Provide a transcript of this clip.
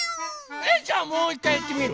えっじゃあもういっかいやってみる？